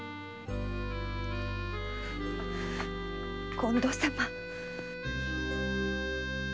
近藤様。